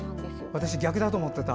私、逆だと思ってた。